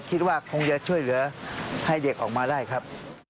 คิดว่าคงจะช่วยเหลือให้เด็กออกมาได้ครับ